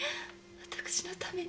私のために。